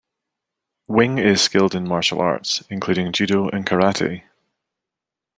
Wing is skilled in martial arts, including judo and karate.